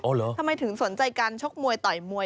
อ๋อเหรอทำไมถึงสนใจกันชกมวยต่อยมวย